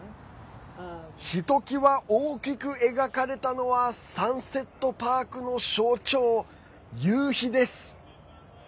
ひときわ大きく描かれたのはサンセットパークの象徴夕日です。